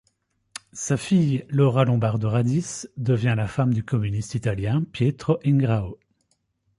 Sa fille Laura Lombardo Radice devient la femme du communiste italien Pietro Ingrao.